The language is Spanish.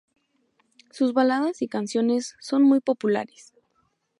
Sus baladas y canciones son muy populares.